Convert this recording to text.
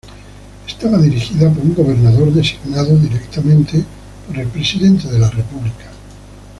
Estaba dirigida por un gobernador, designado directamente por el presidente de la República.